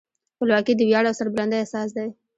خپلواکي د ویاړ او سربلندۍ اساس دی.